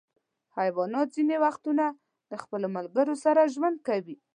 حیوانات ځینې وختونه د خپلو ملګرو سره ژوند کوي.